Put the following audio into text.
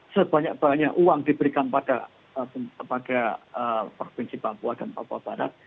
sebanyak banyak uang diberikan kepada provinsi papua dan papua barat